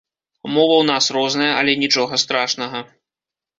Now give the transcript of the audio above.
Мова ў нас розная, але нічога страшнага.